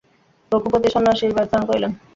রঘুপতি সন্ন্যাসীর বেশ ধারণ করিলেন।